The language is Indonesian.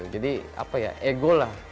jadi apa ya ego lah